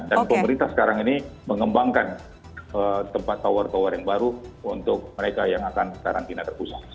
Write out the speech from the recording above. pemerintah sekarang ini mengembangkan tempat tower tower yang baru untuk mereka yang akan karantina terpusat